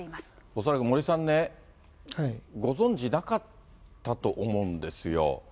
恐らく森さんね、ご存じなかったと思うんですよ。